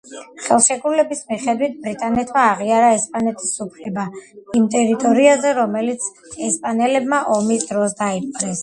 ხელშეკრულების მიხედვით ბრიტანეთმა აღიარა ესპანეთის უფლება იმ ტერიტორიებზე რომელიც ესპანელებმა ომის დროს დაიპყრეს.